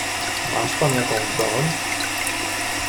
"Masz pan jaką broń?"